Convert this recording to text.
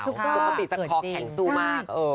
ปกติจะคอแข็งสู้มาก